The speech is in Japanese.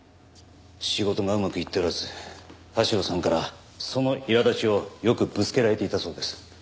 仕事がうまくいっておらず田代さんからそのいら立ちをよくぶつけられていたそうです。